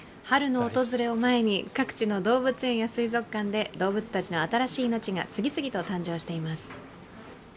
春の訪れを前に、各地の動物園や水族館で動物たちの新しい命が次々と誕生しています。